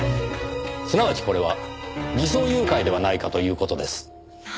すなわちこれは偽装誘拐ではないかという事です。